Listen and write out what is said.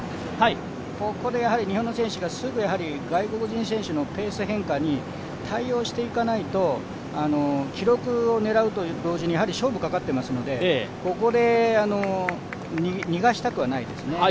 ここで日本の選手が外国人選手のペース変化に対応していかないと記録を狙うと同時に勝負かかっていますのでここで逃がしたくはないですね。